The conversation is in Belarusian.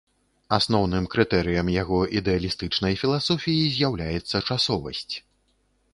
Асноўным крытэрыем яго ідэалістычнай філасофіі з'яўляецца часовасць.